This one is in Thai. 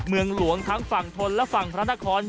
เมืองหลวงทั้งฝั่งทนและฝั่งพระนคร